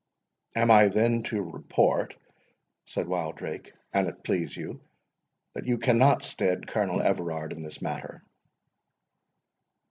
"Am I then to report," said Wildrake, "an it please you, that you cannot stead Colonel Everard in this matter?"